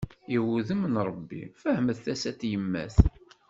I wudem n Rebbi, fehmet tasa n tyemmat.